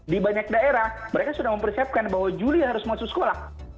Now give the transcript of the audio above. di banyak daerah mereka sudah mempersiapkan bahwa juli harus masuk sekolah